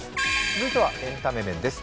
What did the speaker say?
続いてはエンタメ面です。